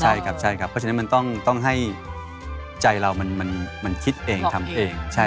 ใช่ครับใช่ครับเพราะฉะนั้นมันต้องให้ใจเรามันคิดเองทำเอง